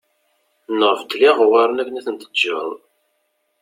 Neɣ beddel iɣewwaṛen akken ad ten-teǧǧeḍ